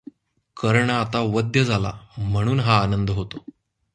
कर्ण आता वध्य झाला म्हणून हा आनंद होतो.